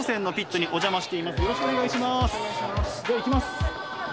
ではいきます！